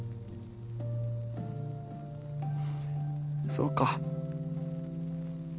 そうか。